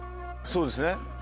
そうですね。